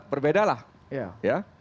berbedalah ya ya